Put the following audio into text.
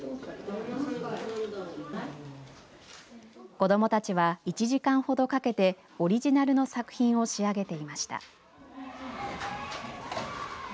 子どもたちは１時間ほどかけてオリジナルの作品を仕上げていました。